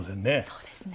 そうですね。